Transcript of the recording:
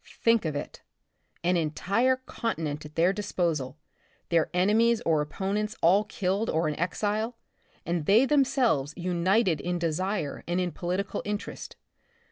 Think of it ! An entire continent at their disposal, their enemies or opponents all killed or in exile, and they themselves united in desire and in political interest.